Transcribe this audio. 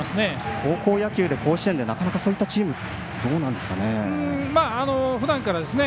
高校野球、甲子園でなかなかそういったチームはどうなんですかね。